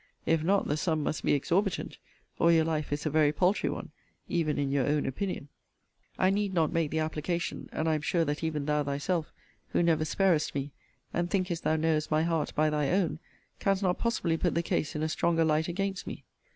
If not, the sum must be exorbitant, or your life is a very paltry one, even in your own opinion. I need not make the application; and I am sure that even thou thyself, who never sparest me, and thinkest thou knowest my heart by thy own, canst not possibly put the case in a stronger light against me.